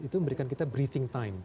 itu memberikan kita briefing time